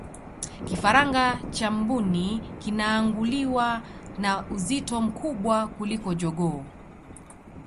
kifaranga cha mbuni kinaanguliwa na uzito mkubwa kuliko jogoo